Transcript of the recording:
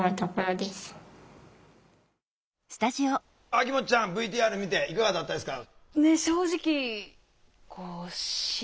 秋元ちゃんＶＴＲ見ていかがだったですか？